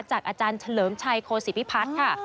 จากอาจารย์เฉลิมชัยโคศิพิพัฒน์ค่ะ